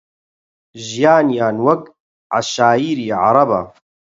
ژیانیان وەک عەشایری عەرەبە